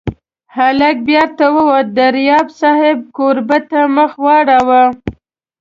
هلک بېرته ووت، دریاب صاحب کوربه ته مخ واړاوه.